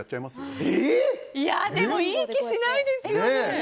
でもいい気しないですよね。